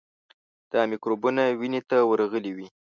دا میکروبونه وینې ته ورغلي وي.